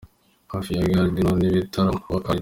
Hafi ya Gare du Nord n’ibitaro Roi Khaled.